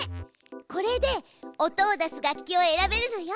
これで音を出す楽器を選べるのよ。